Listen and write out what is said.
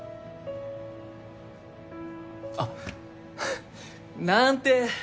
あっなーんて。